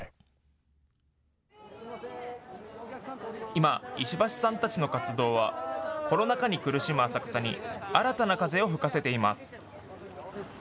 今、石橋さんたちの活動はコロナ禍に苦しむ浅草に新たな風を吹かせています。